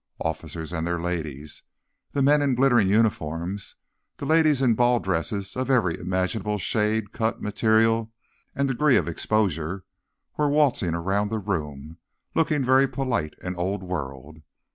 Officers and their ladies, the men in glittering uniforms, the ladies in ball dresses of every imaginable shade, cut, material and degree of exposure, were waltzing around the room looking very polite and old world.